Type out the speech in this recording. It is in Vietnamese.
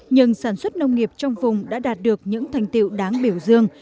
nhưng sản xuất nông nghiệp trong vùng đã đạt được những thành tiệu đáng biểu dương